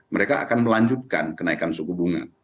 mereka akan melanjutkan kenaikan suku bunga